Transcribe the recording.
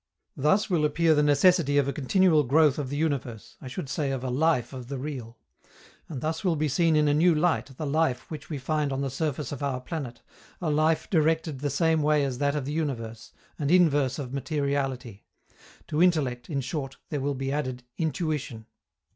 Thus will appear the necessity of a continual growth of the universe, I should say of a life of the real. And thus will be seen in a new light the life which we find on the surface of our planet, a life directed the same way as that of the universe, and inverse of materiality. To intellect, in short, there will be added intuition.